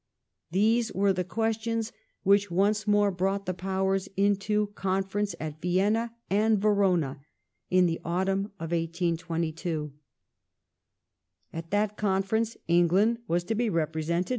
These were the questions which once more brought the Powei s into conference at Vienna and Verojia in the autumn of 1822. At that conference England was to be repre sented.